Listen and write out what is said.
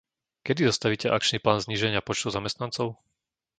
Kedy zostavíte akčný plán zníženia počtu zamestnancov?